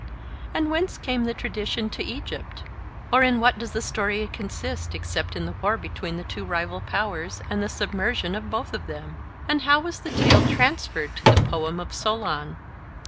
And whence came the tradition to Egypt? or in what does the story consist except in the war between the two rival powers and the submersion of both of them? And how was the tale transferred to the poem of Solon?